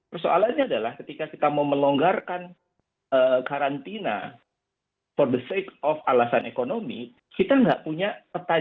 jadi persoalannya adalah ketika kita mau melonggarkan karantina for the sake of alasan ekonomi kita enggak punya peta jalan untuk menunjukkan